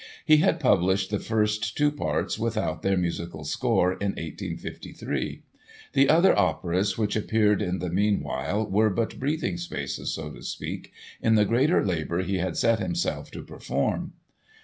He had published the first two parts without their musical score, in 1853. The other operas which appeared in the meanwhile were but breathing places, so to speak, in the greater labour he had set himself to perform.